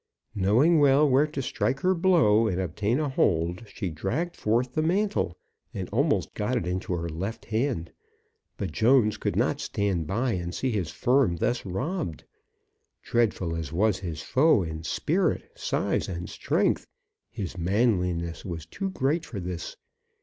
Knowing well where to strike her blow and obtain a hold, she dragged forth the mantle, and almost got it into her left hand. But Jones could not stand by and see his firm thus robbed. Dreadful as was his foe in spirit, size, and strength, his manliness was too great for this.